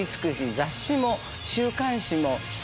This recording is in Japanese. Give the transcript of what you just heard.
雑誌も週刊誌も。